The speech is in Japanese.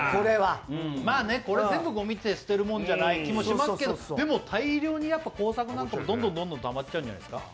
これって全部、ごみって捨てるもんじゃない気もしますけど、でも、大量に工作なんかもどんどんたまっちゃうんじゃないですか？